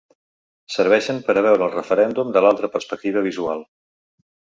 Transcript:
Serveixen per a veure el referèndum de l’altra perspectiva visual.